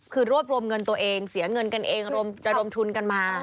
คือรวบรวมเงินตัวเองเสียเงินกันเองระดมทุนกันมา